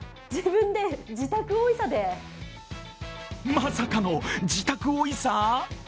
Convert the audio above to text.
まさかの「自宅おいさー」！？